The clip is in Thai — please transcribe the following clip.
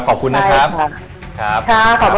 ขอบคุณนะครับสวัสดีครับ